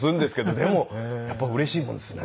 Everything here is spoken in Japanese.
でもやっぱりうれしいもんですね。